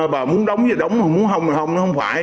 bà muốn đóng gì đóng muốn không thì không nó không phải